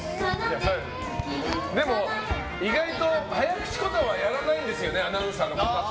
でも、意外と早口言葉やらないんですよねアナウンサーの方って。